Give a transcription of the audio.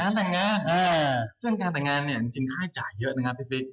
เรื่องการแต่งงานเนี่ยจริงค่าให้จ่ายเยอะนะครับพี่ปิ๊บ